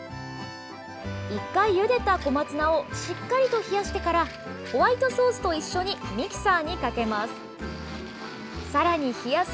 １回ゆでた小松菜をしっかりと冷やしてからホワイトソースと一緒にミキサーにかけます。